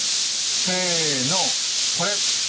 せのこれ。